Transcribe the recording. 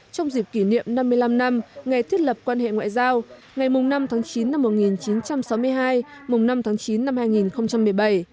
trong dịp kỷ niệm năm mươi năm năm ngày thiết lập quan hệ ngoại giao ngày năm tháng chín năm một nghìn chín trăm sáu mươi hai mùng năm tháng chín năm hai nghìn một mươi bảy